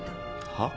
はっ？